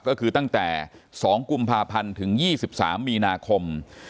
ก็คือตั้งแต่๒กุมภาพันธ์ถึง๒๓มีนาคม